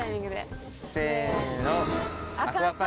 せの！